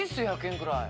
１００円くらい！